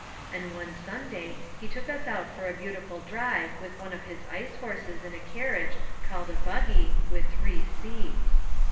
And one Sunday he took us out for a beautiful drive with one of his ice horses in a carriage called a buggy, with three seats.